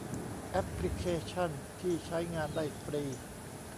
แอพลิเคชั่นที่ใช้งานได้ฟรี